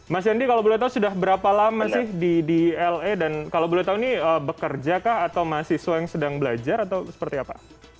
mas yandi kalau boleh tahu sudah berapa lama sih di la dan kalau boleh tahu ini bekerja kah atau mahasiswa yang sedang belajar atau seperti apa